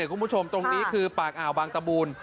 คุณผู้ชมตรงนี้คือปากอ่าวบางตะบูน